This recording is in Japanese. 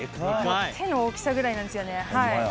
手の大きさくらいなんですよね。